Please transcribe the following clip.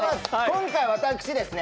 今回私ですね